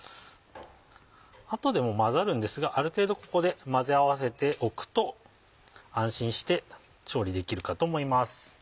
後でも混ざるんですがある程度ここで混ぜ合わせておくと安心して調理できるかと思います。